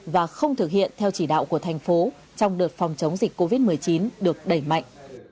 và không thực hiện theo chỉ đạo của thành phố trong đợt phòng chống dịch covid một mươi chín được đẩy mạnh